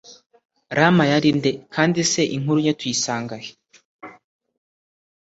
rama yari nde, kandi se inkuru ye tuyisanga he?